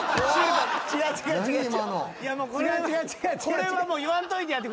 これはもう言わんといてやって。